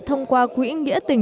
thông qua quỹ nghĩa tình trạng